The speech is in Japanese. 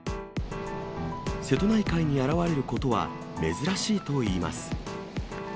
瀬戸内海に現れることは珍しいといいます。